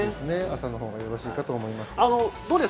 朝のほうがよろしいかと思います。